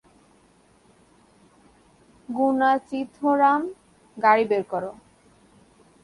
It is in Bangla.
গুনাচিথরাম, গাড়ি বের করো।